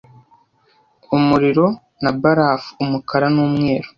Umuriro na barafu, umukara n'umweru